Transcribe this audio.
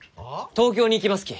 東京に行きますき。